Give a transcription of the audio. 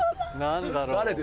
何だろう。